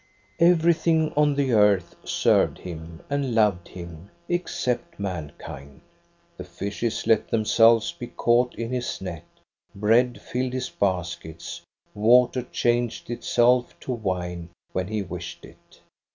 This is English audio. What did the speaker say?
"Everything on the earth served him and loved him, except mankind. The fishes let themselves be caught in his net, bread filled his baskets, water changed itself to wine when he wished it.